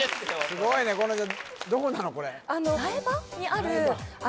すごいねどこなの？